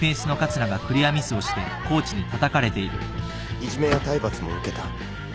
いじめや体罰も受けた。